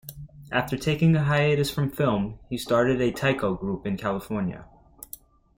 After taking a hiatus from film, he started a taiko group in California.